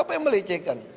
apa yang melecehkan